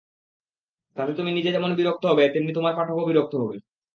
তাতে তুমি নিজে যেমন বিরক্ত হবে, তেমনি তোমার পাঠকও বিরক্ত হবে।